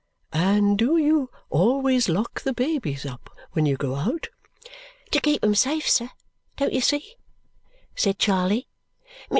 "And do you always lock the babies up when you go out?" "To keep 'em safe, sir, don't you see?" said Charley.